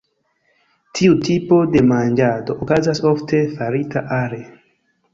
Tiu tipo de manĝado okazas ofte farita are.